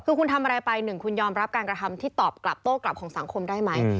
คือคุณทำอะไรไปหนึ่งคุณยอมรับการกระทำที่ตอบกลับโต้กลับของสังคมได้ไหม